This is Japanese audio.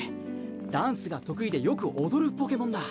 ダンスが得意でよく踊るポケモンだ。